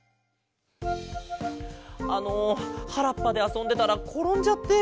あのはらっぱであそんでたらころんじゃって。